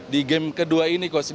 di game kedua ini coach